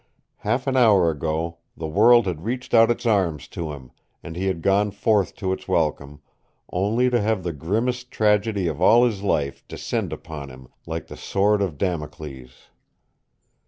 Half an hour ago the world had reached out its arms to him, and he had gone forth to its welcome, only to have the grimmest tragedy of all his life descend upon him like the sword of Damocles.